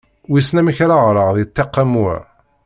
Wissen amek ara ɣreɣ di ṭṭiq am wa!